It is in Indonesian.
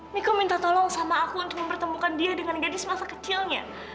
miko minta tolong sama aku untuk mempertemukan dia dengan gadis masa kecilnya